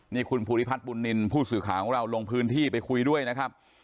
นี่คุณภูริพัฒน์บุญนินทร์ผู้สื่อข่าวของเราลงพื้นที่ไปคุยด้วยนะครับ